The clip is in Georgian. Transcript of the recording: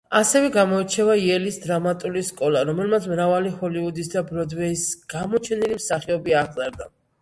ასევე გამოირჩევა იელის დრამატული სკოლა, რომელმაც მრავალი ჰოლივუდის და ბროდვეის გამოჩენილი მსახიობი აღზარდა.